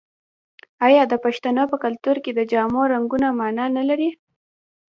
آیا د پښتنو په کلتور کې د جامو رنګونه مانا نلري؟